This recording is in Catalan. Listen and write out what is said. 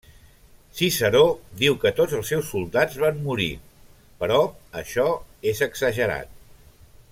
Ciceró diu que tots els seus soldats van morir, però això és exagerat.